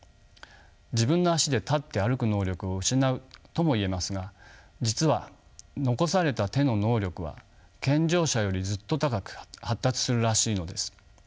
自分の足で立って歩く能力を失うとも言えますが実は残された手の能力は健常者よりずっと高く発達するらしいのです。